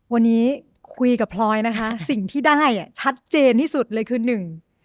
วันนี้คุยกับพลอยนะคะสิ่งที่ได้อ่ะชัดเจนที่สุดเลยคือหนึ่ง